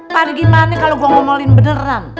pada gimana kalau gue ngomelin beneran